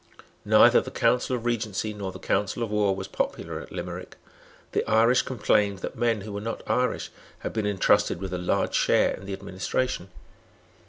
Neither the Council of Regency nor the Council of War was popular at Limerick. The Irish complained that men who were not Irish had been entrusted with a large share in the administration.